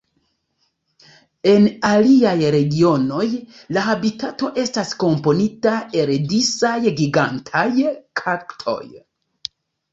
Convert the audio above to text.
En aliaj regionoj la habitato estas komponita el disaj gigantaj kaktoj.